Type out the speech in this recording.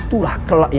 aku akan menangkapmu